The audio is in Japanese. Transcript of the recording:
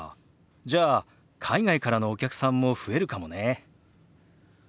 じゃあ海外からのお客さんも増えるかもね。